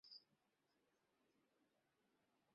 বললেন, তোমাদের আমীরও কি দরিদ্র?